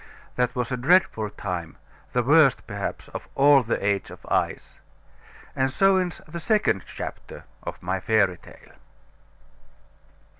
That was a dreadful time; the worst, perhaps, of all the age of Ice; and so ends the second chapter of my fairy tale.